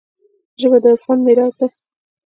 ژبه د عرفان معراج دی